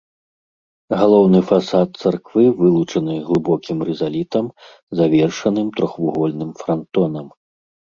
Галоўны фасад царквы вылучаны глыбокім рызалітам, завершаным трохвугольным франтонам.